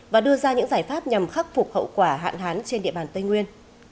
và đưa ra những giải pháp nhằm khắc phục hậu quả hạn hán trên địa bàn tây nguyên